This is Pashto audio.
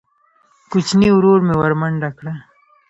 کوچیني ورور مې ورمنډه کړه.